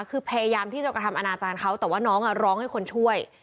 คือพยายามที่จะกระทำอนาจารย์เขาแต่ว่าน้องร้องให้คนช่วย